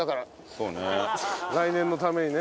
そうね。